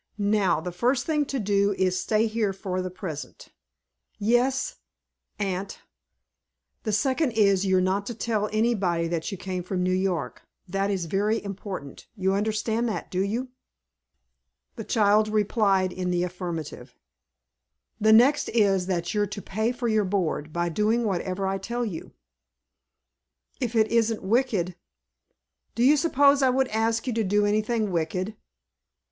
Now the first thing to do, is to stay here for the present." "Yes aunt." "The second is, you're not to tell anybody that you came from New York. That is very important. You understand that, do you?" The child replied in the affirmative. "The next is, that you're to pay for your board, by doing whatever I tell you." "If it isn't wicked." "Do you suppose I would ask you to do anything wicked?"